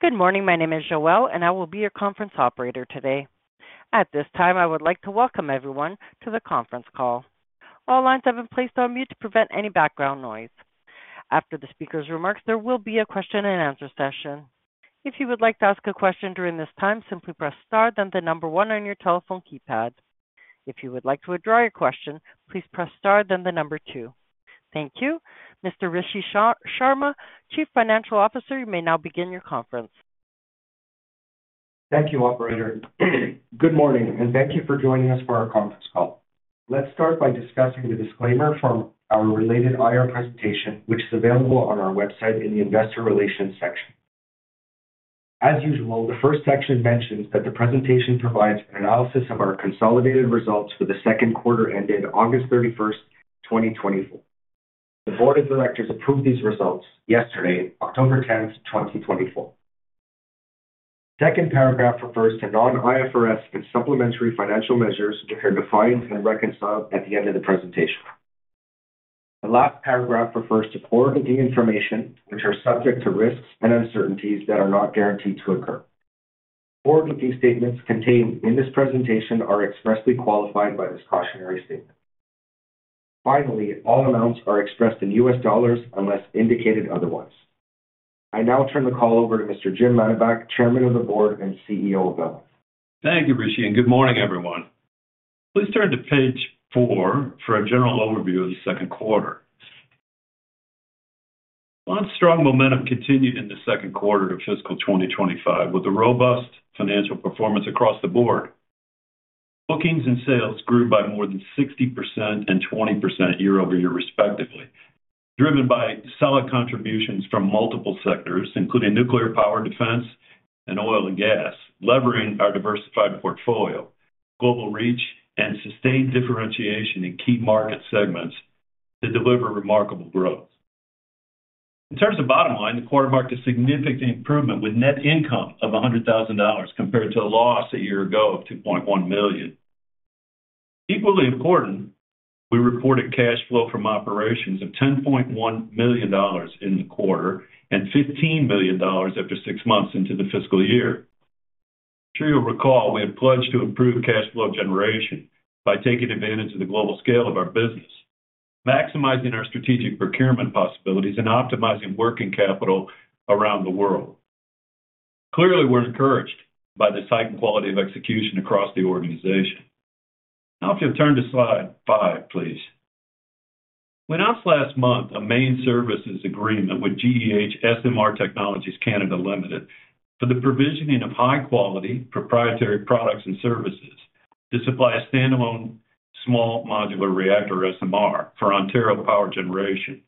Good morning. My name is Joelle, and I will be your conference operator today. At this time, I would like to welcome everyone to the conference call. All lines have been placed on mute to prevent any background noise. After the speaker's remarks, there will be a question and answer session. If you would like to ask a question during this time, simply press star, then the number one on your telephone keypad. If you would like to withdraw your question, please press star, then the number two. Thank you. Mr. Rishi Sharma, Chief Financial Officer, you may now begin your conference. Thank you, operator. Good morning, and thank you for joining us for our conference call. Let's start by discussing the disclaimer from our related IR presentation, which is available on our website in the Investor Relations section. As usual, the first section mentions that the presentation provides an analysis of our consolidated results for the second quarter ended August 31, 2024. The board of directors approved these results yesterday, October 10, 2024. Second paragraph refers to non-IFRS and supplementary financial measures, which are defined and reconciled at the end of the presentation. The last paragraph refers to forward-looking information, which are subject to risks and uncertainties that are not guaranteed to occur. Forward-looking statements contained in this presentation are expressly qualified by this cautionary statement. Finally, all amounts are expressed in U.S. dollars unless indicated otherwise. I now turn the call over to Mr. James Mannebach, Chairman of the Board and CEO of Velan. Thank you, Rishi, and good morning, everyone. Please turn to page 4 for a general overview of the second quarter. Velan's strong momentum continued in the second quarter of fiscal 2025, with a robust financial performance across the board. Bookings and sales grew by more than 60% and 20% year-over-year, respectively, driven by solid contributions from multiple sectors, including nuclear power, defense, and oil and gas, leveraging our diversified portfolio, global reach, and sustained differentiation in key market segments to deliver remarkable growth. In terms of bottom line, the quarter marked a significant improvement with net income of $100,000 compared to a loss a year ago of $2.1 million. Equally important, we reported cash flow from operations of $10.1 million in the quarter and $15 million after six months into the fiscal year. I'm sure you'll recall we had pledged to improve cash flow generation by taking advantage of the global scale of our business, maximizing our strategic procurement possibilities, and optimizing working capital around the world. Clearly, we're encouraged by the tight quality of execution across the organization. Now, if you'll turn to slide 5, please. We announced last month a main services agreement with GEH SMR Technologies Canada Limited for the provisioning of high-quality proprietary products and services to supply a standalone small modular reactor, SMR, for Ontario Power Generation.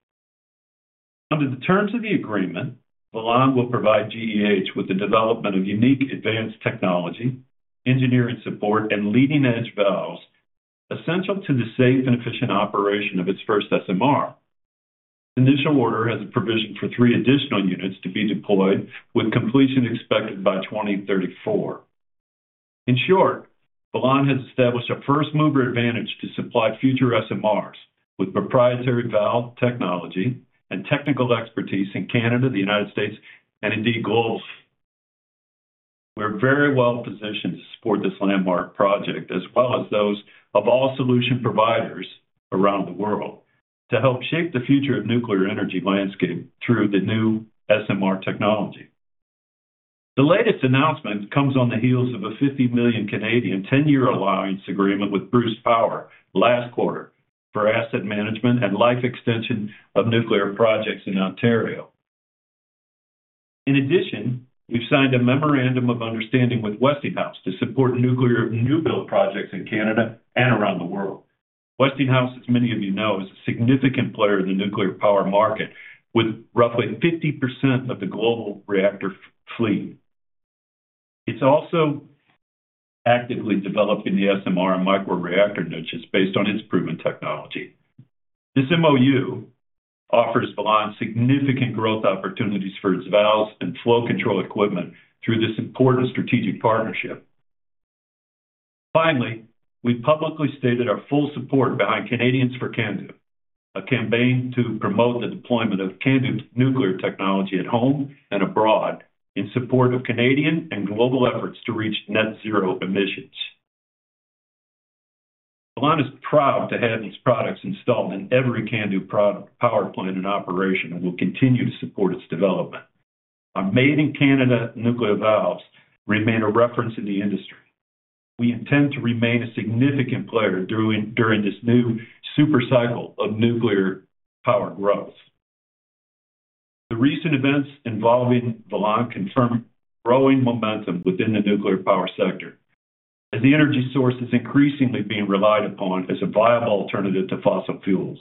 Under the terms of the agreement, Velan will provide GEH with the development of unique advanced technology, engineering support, and leading-edge valves, essential to the safe and efficient operation of its first SMR. Initial order has a provision for three additional units to be deployed, with completion expected by 2034. In short, Velan has established a first-mover advantage to supply future SMRs with proprietary valve technology and technical expertise in Canada, the United States, and indeed, globally. We're very well positioned to support this landmark project, as well as those of all solution providers around the world, to help shape the future of nuclear energy landscape through the new SMR technology. The latest announcement comes on the heels of a 50 million, 10-year alliance agreement with Bruce Power last quarter for asset management and life extension of nuclear projects in Ontario. In addition, we've signed a memorandum of understanding with Westinghouse to support nuclear new-build projects in Canada and around the world. Westinghouse, as many of you know, is a significant player in the nuclear power market, with roughly 50% of the global reactor fleet. It's also actively developing the SMR and microreactor niches based on its proven technology. This MOU offers Velan significant growth opportunities for its valves and flow control equipment through this important strategic partnership. Finally, we publicly stated our full support behind Canadians for CANDU, a campaign to promote the deployment of CANDU's nuclear technology at home and abroad in support of Canadian and global efforts to reach net zero emissions. Velan is proud to have these products installed in every CANDU power plant in operation and will continue to support its development. Our made-in-Canada nuclear valves remain a reference in the industry. We intend to remain a significant player during this new super cycle of nuclear power growth. The recent events involving Velan confirm growing momentum within the nuclear power sector, as the energy source is increasingly being relied upon as a viable alternative to fossil fuels.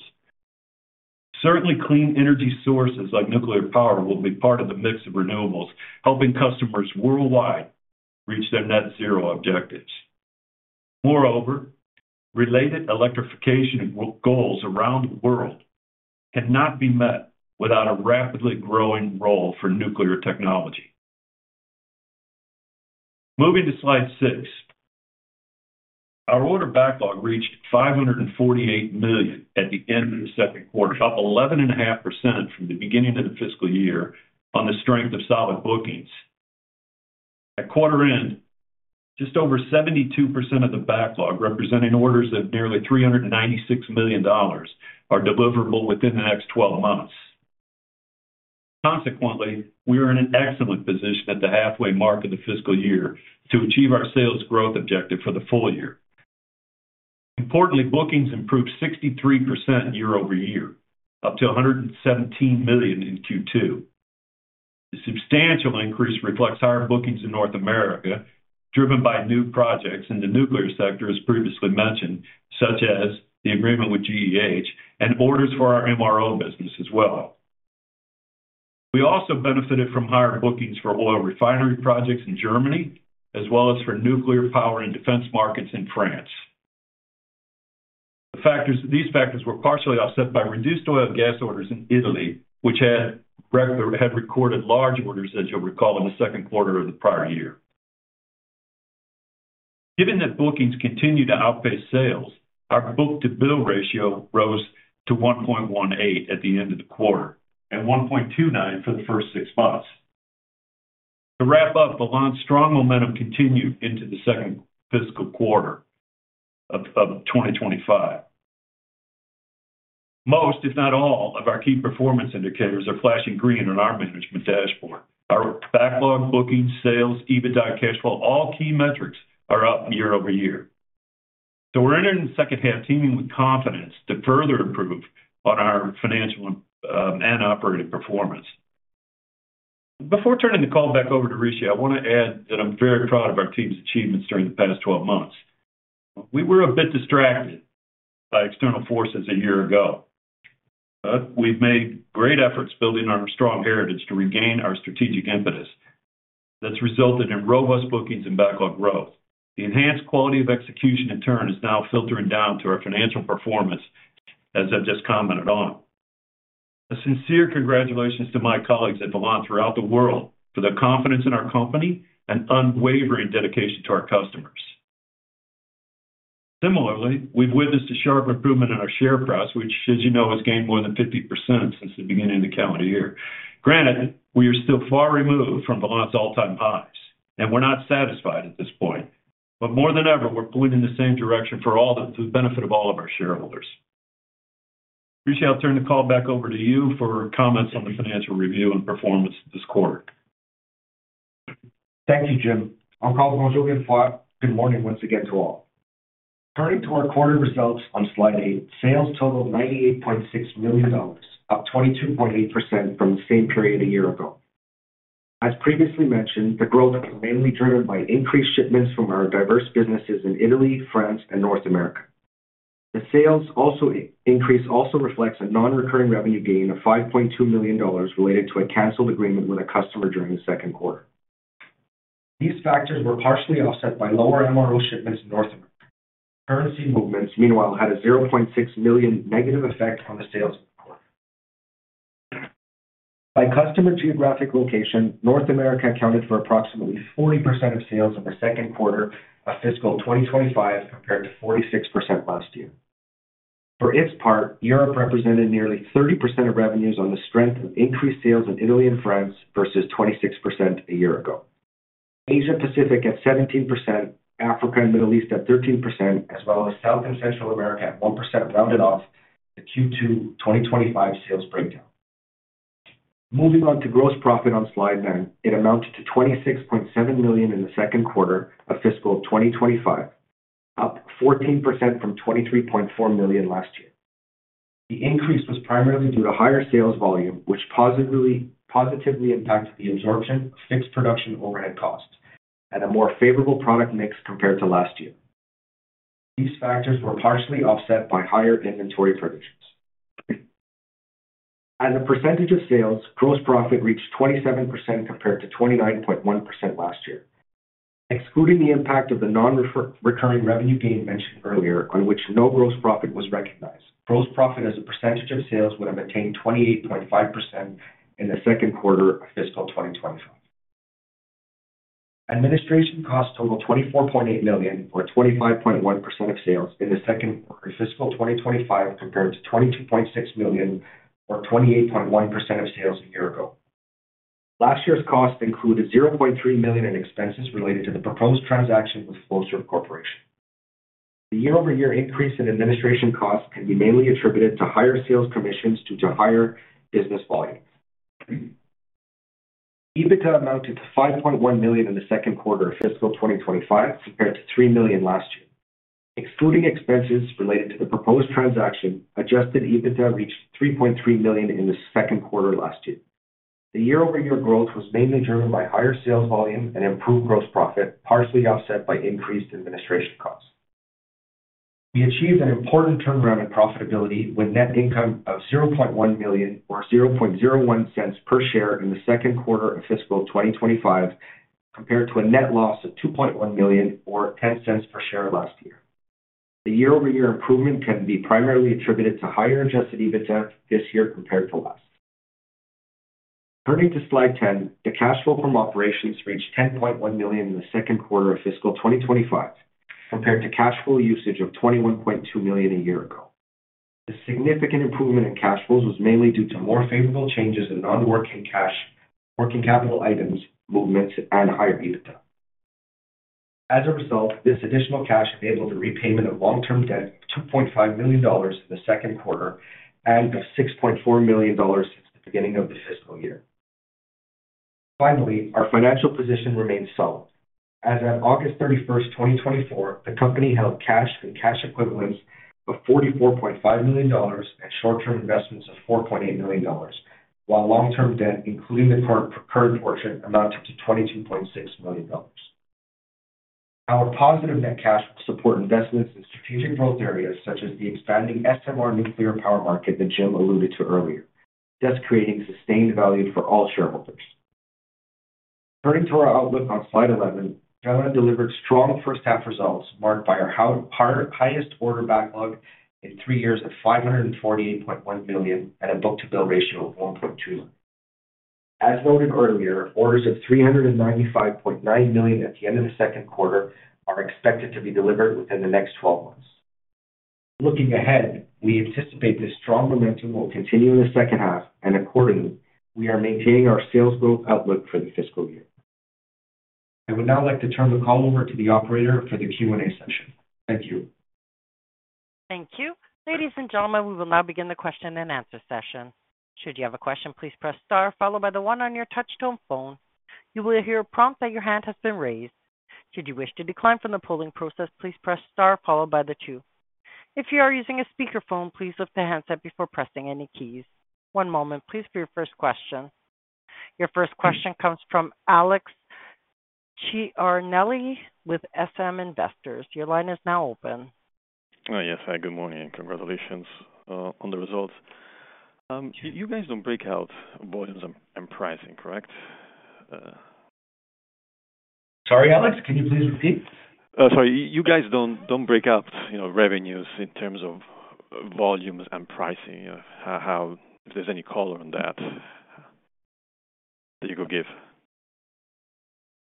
Certainly, clean energy sources like nuclear power will be part of the mix of renewables, helping customers worldwide reach their net zero objectives. Moreover, related electrification goals around the world cannot be met without a rapidly growing role for nuclear technology. Moving to slide 6. Our order backlog reached $548 million at the end of the second quarter, up 11.5% from the beginning of the fiscal year on the strength of solid bookings. At quarter end, just over 72% of the backlog, representing orders of nearly $396 million, are deliverable within the next 12 months. Consequently, we are in an excellent position at the halfway mark of the fiscal year to achieve our sales growth objective for the full year. Importantly, bookings improved 63% year-over-year, up to $117 million in Q2. The substantial increase reflects higher bookings in North America, driven by new projects in the nuclear sector, as previously mentioned, such as the agreement with GEH and orders for our MRO business as well. We also benefited from higher bookings for oil refinery projects in Germany, as well as for nuclear power and defense markets in France. These factors were partially offset by reduced oil and gas orders in Italy, which had recorded large orders, as you'll recall, in the second quarter of the prior year. Given that bookings continue to outpace sales, our book-to-bill ratio rose to 1.18 at the end of the quarter, and 1.29 for the first six months. To wrap up, Velan's strong momentum continued into the second fiscal quarter of 2025. Most, if not all, of our key performance indicators are flashing green on our management dashboard. Our backlog, bookings, sales, EBITDA, cash flow, all key metrics are up year-over-year. So we're entering the second half teeming with confidence to further improve on our financial, and operating performance. Before turning the call back over to Rishi, I wanna add that I'm very proud of our team's achievements during the past twelve months. We were a bit distracted by external forces a year ago, but we've made great efforts building on our strong heritage to regain our strategic impetus. That's resulted in robust bookings and backlog growth. The enhanced quality of execution, in turn, is now filtering down to our financial performance, as I've just commented on. A sincere congratulations to my colleagues at Velan throughout the world for the confidence in our company and unwavering dedication to our customers. Similarly, we've witnessed a sharp improvement in our share price, which, as you know, has gained more than 50% since the beginning of the calendar year. Granted, we are still far removed from Velan's all-time highs, and we're not satisfied at this point. But more than ever, we're pointed in the same direction, to the benefit of all of our shareholders. Rishi, I'll turn the call back over to you for comments on the financial review and performance this quarter. Thank you, Jim. On the call, good morning once again to all. Turning to our quarter results on slide 8, sales totaled $98.6 million, up 22.8% from the same period a year ago. As previously mentioned, the growth is mainly driven by increased shipments from our diverse businesses in Italy, France, and North America. The sales increase also reflects a non-recurring revenue gain of $5.2 million related to a canceled agreement with a customer during the second quarter. These factors were partially offset by lower MRO shipments in North America. Currency movements, meanwhile, had a $0.6 million negative effect on the sales. By customer geographic location, North America accounted for approximately 40% of sales in the second quarter of fiscal 2025, compared to 46% last year. For its part, Europe represented nearly 30% of revenues on the strength of increased sales in Italy and France versus 26% a year ago. Asia Pacific at 17%, Africa and Middle East at 13%, as well as South and Central America at 1%, rounded off the Q2 2025 sales breakdown. Moving on to gross profit on Slide 9, it amounted to $26.7 million in the second quarter of fiscal 2025, up 14% from $23.4 million last year. The increase was primarily due to higher sales volume, which positively impacted the absorption of fixed production overhead costs and a more favorable product mix compared to last year. These factors were partially offset by higher inventory purchases. As a percentage of sales, gross profit reached 27%, compared to 29.1% last year. Excluding the impact of the non-recurring revenue gain mentioned earlier, on which no gross profit was recognized, gross profit as a percentage of sales would have attained 28.5% in the second quarter of fiscal 2025. Administration costs totaled $24.8 million, or 25.1% of sales, in the second quarter of fiscal 2025, compared to $22.6 million, or 28.1% of sales a year ago. Last year's costs included $0.3 million in expenses related to the proposed transaction with Flowserve Corporation. The year-over-year increase in administration costs can be mainly attributed to higher sales commissions due to higher business volume. EBITDA amounted to $5.1 million in the second quarter of fiscal 2025, compared to $3 million last year. Excluding expenses related to the proposed transaction, adjusted EBITDA reached $3.3 million in the second quarter last year. The year-over-year growth was mainly driven by higher sales volume and improved gross profit, partially offset by increased administration costs. We achieved an important turnaround in profitability with net income of $0.1 million, or $0.01 per share, in the second quarter of fiscal 2025, compared to a net loss of $2.1 million, or $0.10 per share last year. The year-over-year improvement can be primarily attributed to higher adjusted EBITDA this year compared to last. Turning to Slide 10, the cash flow from operations reached $10.1 million in the second quarter of fiscal 2025, compared to cash flow usage of $21.2 million a year ago. The significant improvement in cash flows was mainly due to more favorable changes in non-working cash, working capital items, movements and higher EBITDA. As a result, this additional cash enabled the repayment of long-term debt, $2.5 million in the second quarter, and of $6.4 million since the beginning of the fiscal year. Finally, our financial position remains solid. As of August 31, 2024, the company held cash and cash equivalents of $44.5 million and short-term investments of $4.8 million, while long-term debt, including the current portion, amounted to $22.6 million. Our positive net cash will support investments in strategic growth areas such as the expanding SMR nuclear power market that Jim alluded to earlier, thus creating sustained value for all shareholders. Turning to our outlook on Slide 11, Velan delivered strong first half results, marked by our highest order backlog in three years of $548.1 million and a book-to-bill ratio of 1.2. As noted earlier, orders of $395.9 million at the end of the second quarter are expected to be delivered within the next 12 months. Looking ahead, we anticipate this strong momentum will continue in the second half, and accordingly, we are maintaining our sales growth outlook for the fiscal year. I would now like to turn the call over to the operator for the Q&A session. Thank you. Thank you. Ladies and gentlemen, we will now begin the question-and-answer session. Should you have a question, please press star, followed by the one on your touch-tone phone. You will hear a prompt that your hand has been raised. Should you wish to decline from the polling process, please press star followed by the two. If you are using a speakerphone, please lift the handset before pressing any keys. One moment, please, for your first question. Your first question comes from Alex Charnley with SM Investors. Your line is now open. Oh, yes. Hi, good morning, and congratulations on the results. You guys don't break out volumes and pricing, correct? Sorry, Alex, can you please repeat? Sorry. You guys don't break out, you know, revenues in terms of volumes and pricing. How, if there's any color on that that you could give?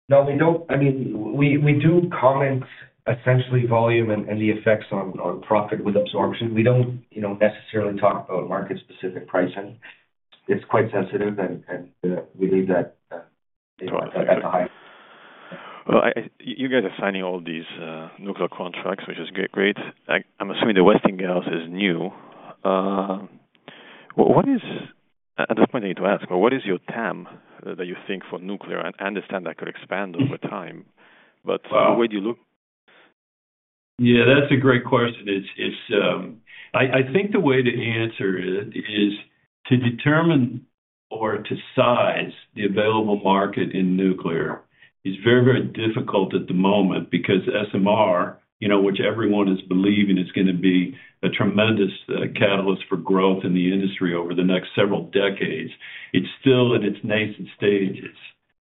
No, we don't. I mean, we do comment essentially volume and the effects on profit with absorption. We don't, you know, necessarily talk about market-specific pricing. It's quite sensitive, and we leave that at the high. You guys are signing all these nuclear contracts, which is great. I'm assuming the Westinghouse is new. At this point, I need to ask, what is your TAM that you think for nuclear? I understand that could expand over time, but the way do you look? Yeah, that's a great question. It's I think the way to answer it is to determine or to size the available market in nuclear is very, very difficult at the moment because SMR, you know, which everyone is believing, is gonna be a tremendous catalyst for growth in the industry over the next several decades. It's still in its nascent stages,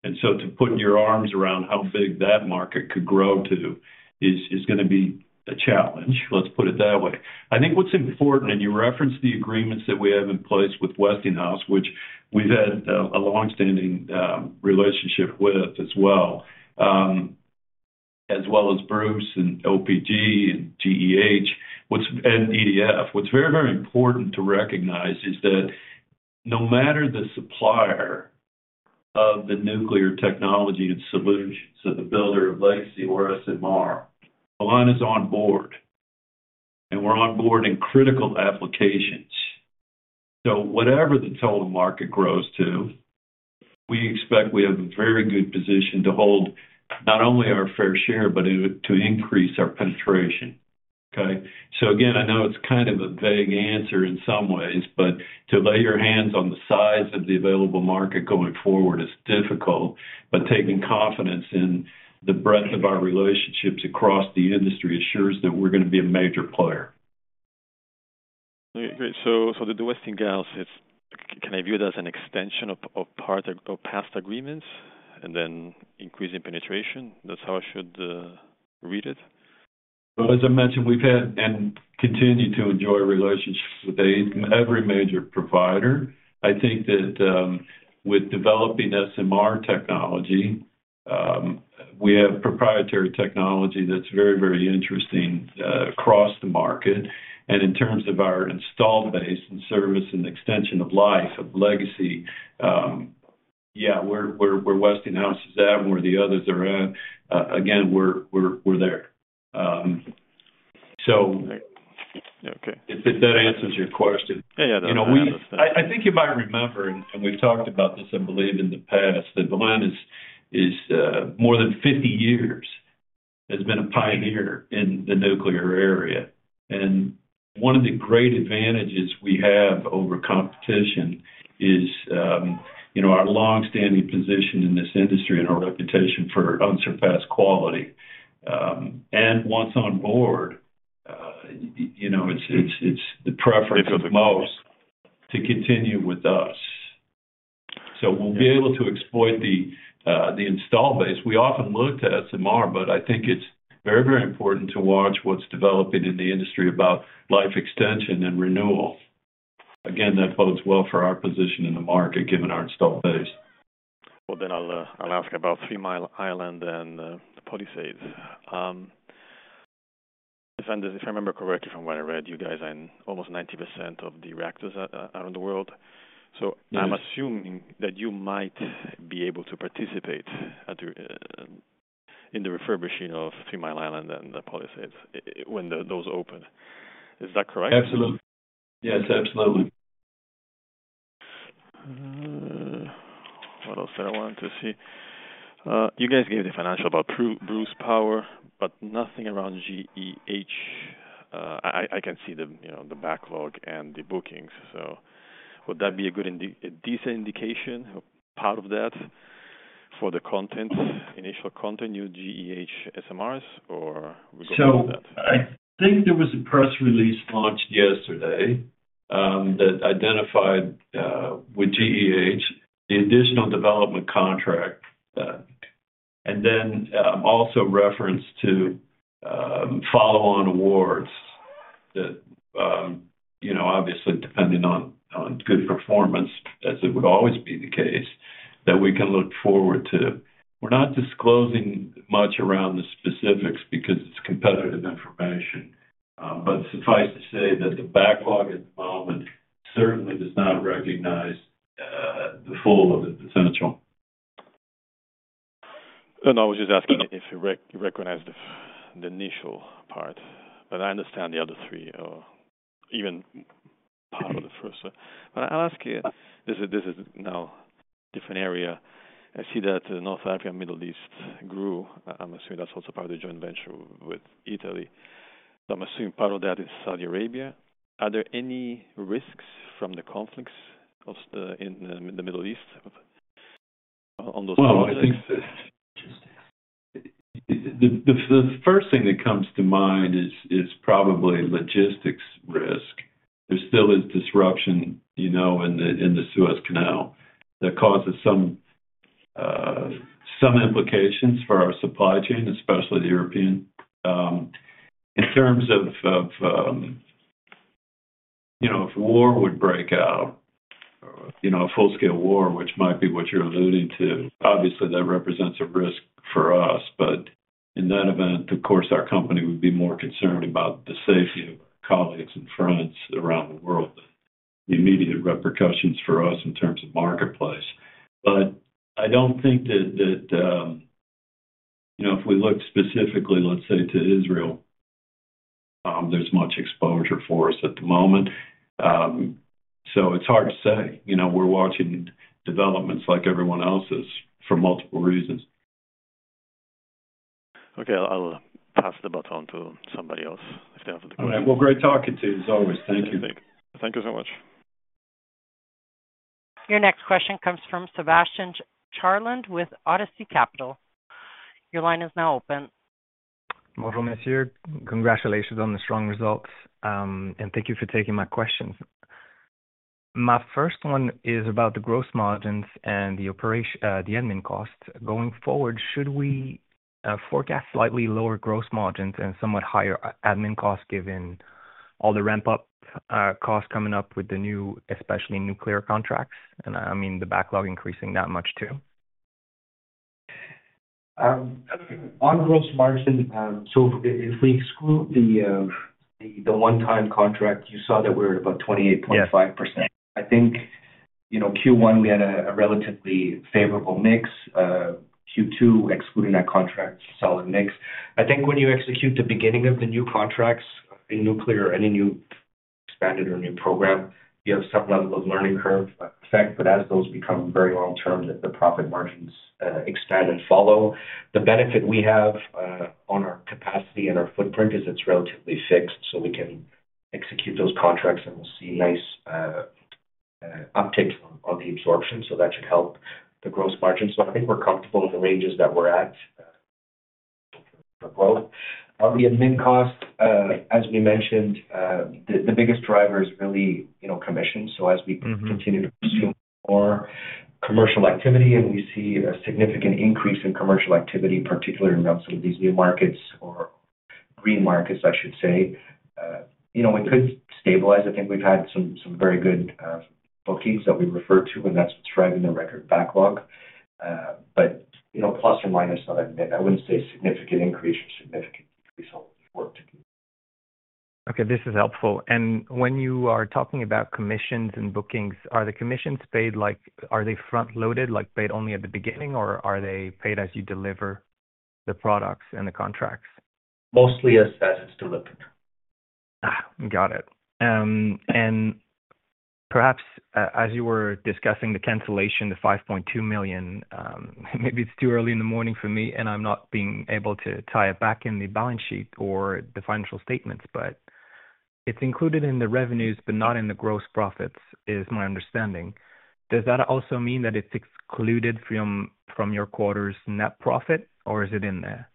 and so to put your arms around how big that market could grow to is gonna be a challenge, let's put it that way. I think what's important, and you referenced the agreements that we have in place with Westinghouse, which we've had a long-standing relationship with as well, as well as Bruce and OPG and GEH. And EDF. What's very, very important to recognize is that no matter the supplier of the nuclear technology and solutions, so the builder of legacy or SMR, Velan is on board, and we're on board in critical applications. So whatever the total market grows to, we expect we have a very good position to hold not only our fair share, but it would to increase our penetration. Okay? So again, I know it's kind of a vague answer in some ways, but to lay your hands on the size of the available market going forward is difficult, but taking confidence in the breadth of our relationships across the industry assures that we're gonna be a major player. Great. So, so the Westinghouse is, can I view it as an extension of, of part or past agreements and then increasing penetration? That's how I should read it? As I mentioned, we've had and continue to enjoy relationships with every major provider. I think that with developing SMR technology, we have proprietary technology that's very, very interesting across the market. In terms of our installed base and service and extension of life of legacy, where Westinghouse is at and where the others are at, again, we're there. So- Okay. If that answers your question. Yeah, it does. You know, I think you might remember, and we've talked about this, I believe, in the past, that Velan is more than fifty years, has been a pioneer in the nuclear area. And one of the great advantages we have over competition is you know, our long-standing position in this industry and our reputation for unsurpassed quality. And once on board, you know, it's the preference of most to continue with us. So we'll be able to exploit the install base. We often look to SMR, but I think it's very, very important to watch what's developing in the industry about life extension and renewal. Again, that bodes well for our position in the market, given our install base. Then I'll ask about Three Mile Island and the Palisades. If I remember correctly from what I read, you guys are in almost 90% of the reactors around the world. Yes. I'm assuming that you might be able to participate in the refurbishing of Three Mile Island and the Palisades when those open. Is that correct? Absolutely. Yes, absolutely. What else did I want to see? You guys gave the financial about Bruce Power, but nothing around GEH. I can see the, you know, the backlog and the bookings. So would that be a good, a decent indication, part of that for the content, initial content, new GEH SMRs, or we go with that? So I think there was a press release launched yesterday, that identified, with GEH, the additional development contract. And then, also reference to, follow-on awards that, you know, obviously, depending on good performance, as it would always be the case, that we can look forward to. We're not disclosing much around the specifics because it's competitive information. But suffice to say that the backlog at the moment certainly does not recognize, the full of it, the potential. I was just asking if you recognize the initial part, but I understand the other three or even part of the first one. But I'll ask you, this is now a different area. I see that North Africa and Middle East grew. I'm assuming that's also part of the joint venture with Italy. So I'm assuming part of that is Saudi Arabia. Are there any risks from the conflicts across the in the Middle East on those projects? I think the first thing that comes to mind is probably logistics risk. There still is disruption, you know, in the Suez Canal that causes some implications for our supply chain, especially the European. In terms of, you know, if war would break out, you know, a full-scale war, which might be what you're alluding to, obviously that represents a risk for us. But in that event, of course, our company would be more concerned about the safety of our colleagues and friends around the world, than the immediate repercussions for us in terms of marketplace. But I don't think that, you know, if we look specifically, let's say, to Israel, there's much exposure for us at the moment. So it's hard to say, you know, we're watching developments like everyone else is for multiple reasons. Okay. I'll pass the baton to somebody else if they have the- Great talking to you as always. Thank you. Thank you so much. Your next question comes from Sébastien Charland, with Odyssey Capital. Your line is now open. Bonjour, monsieur. Congratulations on the strong results and thank you for taking my questions. My first one is about the gross margins and the admin costs. Going forward, should we forecast slightly lower gross margins and somewhat higher admin costs, given all the ramp-up costs coming up with the new, especially nuclear contracts, and I mean, the backlog increasing that much, too? On gross margin, so if we exclude the one-time contract, you saw that we're at about 28.5%. Yes. I think, you know, Q1, we had a relatively favorable mix. Q2, excluding that contract, solid mix. I think when you execute the beginning of the new contracts in nuclear any new expanded or new program, you have some level of learning curve effect, but as those become very long-term, the profit margins expand and follow. The benefit we have on our capacity and our footprint is it's relatively fixed, so we can execute those contracts, and we'll see nice uptakes on the absorption. That should help the gross margin. I think we're comfortable with the ranges that we're at for growth. On the admin cost, as we mentioned, the biggest driver is really, you know, commission. Mm-hmm. As we continue to pursue more commercial activity and we see a significant increase in commercial activity, particularly around some of these new markets or green markets, I should say, you know, we could stabilize. I think we've had some very good bookings that we refer to, and that's what's driving the record backlog. But, you know, plus or minus on admin, I wouldn't say significant increase or significant decrease or to do. Okay, this is helpful. When you are talking about commissions and bookings, are the commissions paid like, are they front-loaded, like, paid only at the beginning, or are they paid as you deliver the products and the contracts? Mostly as it's delivered. Got it. Perhaps as you were discussing the cancellation, the $5.2 million, maybe it's too early in the morning for me, and I'm not being able to tie it back in the balance sheet or the financial statements, but it's included in the revenues, but not in the gross profits, is my understanding. Does that also mean that it's excluded from your quarter's net profit, or is it in there?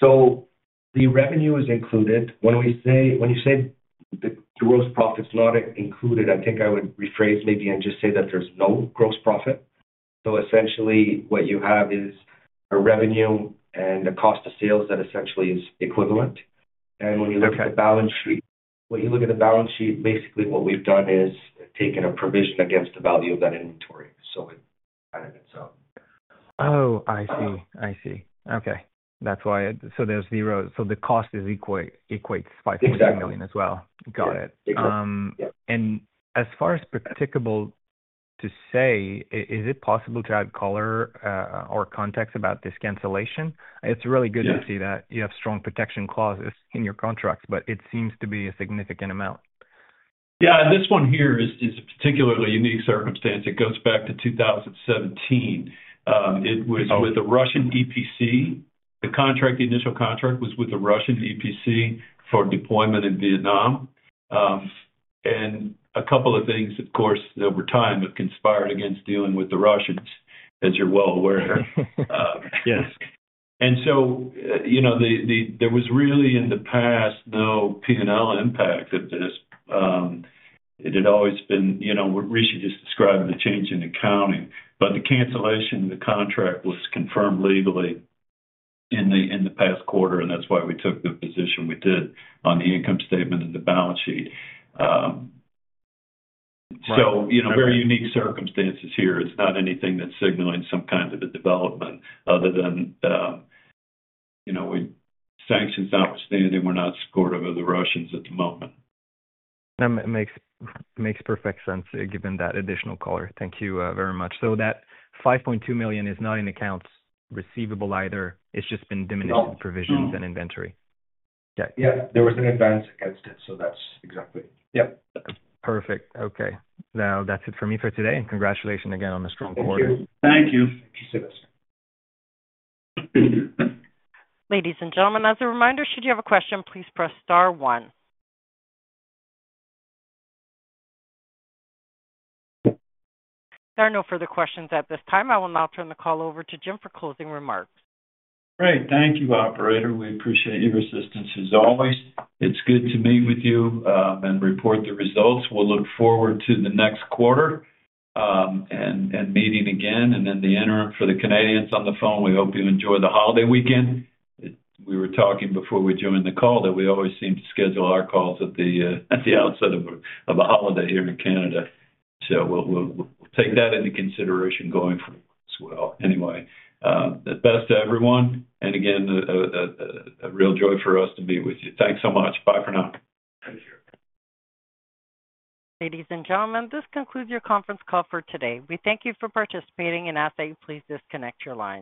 The revenue is included. When we say, when you say the gross profit is not included, I think I would rephrase maybe and just say that there's no gross profit, so essentially, what you have is a revenue and a cost of sales that essentially is equivalent, and when you look at the balance sheet, when you look at the balance sheet, basically what we've done is taken a provision against the value of that inventory, so it added it, so. Oh, I see. I see. Okay, that's why. So there's zero. So the cost is equal, equates five million as well. Exactly. Got it. Yep. And as far as practicable to say, is it possible to add color, or context about this cancellation? It's really good to see that you have strong protection clauses in your contracts, but it seems to be a significant amount. Yeah, this one here is a particularly unique circumstance. It goes back to two thousand and seventeen. It was with a Russian EPC. The contract, the initial contract, was with a Russian EPC for deployment in Vietnam. And a couple of things, of course, over time, have conspired against dealing with the Russians, as you're well aware. Yes. And so, you know, there was really, in the past, no P&L impact of this. It had always been, you know, Rishi just described the change in accounting, but the cancellation of the contract was confirmed legally in the past quarter, and that's why we took the position we did on the income statement and the balance sheet. So, you know, very unique circumstances here. It's not anything that's signaling some kind of a development other than, you know, with sanctions outstanding. We're not supportive of the Russians at the moment. That makes perfect sense, given that additional color. Thank you very much. So that $5.2 million is not in accounts receivable either, it's just been diminished in provisions and inventory? Yeah. There was an advance against it, so that's exactly. Yep. Perfect. Okay. Now, that's it for me for today, and congratulations again on the strong quarter. Thank you. Thank you. Ladies and gentlemen, as a reminder, should you have a question, please press star one. There are no further questions at this time. I will now turn the call over to Jim for closing remarks. Great. Thank you, operator. We appreciate your assistance as always. It's good to meet with you and report the results. We'll look forward to the next quarter and meeting again, and then the interim for the Canadians on the phone, we hope you enjoy the holiday weekend. We were talking before we joined the call, that we always seem to schedule our calls at the onset of a holiday here in Canada. So we'll take that into consideration going forward as well. Anyway, the best to everyone, and again, a real joy for us to be with you. Thanks so much. Bye for now. Ladies and gentlemen, this concludes your conference call for today. We thank you for participating and ask that you please disconnect your lines.